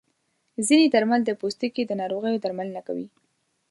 ځینې درمل د پوستکي د ناروغیو درملنه کوي.